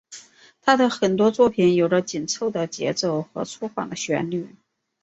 他的很多作品有着紧凑的节奏和粗犷的旋律。